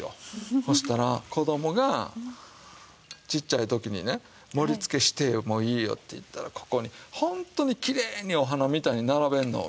そしたら子供がちっちゃい時にね盛りつけしてもいいよって言ったらここにホントにキレイにお花みたいに並べるのを見て。